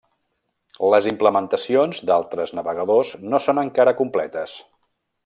Les implementacions d'altres navegadors no són encara completes.